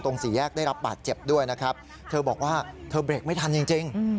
สี่แยกได้รับบาดเจ็บด้วยนะครับเธอบอกว่าเธอเบรกไม่ทันจริง